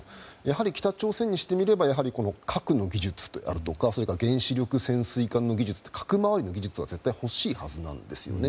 北朝鮮にしてみれば核の技術であるとか原子力潜水艦の技術、核回りの技術って絶対欲しいなんですね。